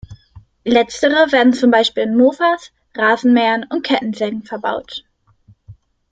Letztere werden zum Beispiel in Mofas, Rasenmähern und Kettensägen verbaut.